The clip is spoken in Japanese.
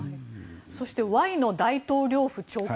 そしてワイノ大統領府長官